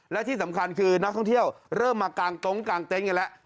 และที่สำคัญคือนักท่องเที่ยวเริ่มมากางตรงกางเต็นท์อย่างนี้ละ